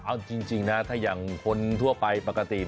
เอาจริงนะถ้าอย่างคนทั่วไปปกติ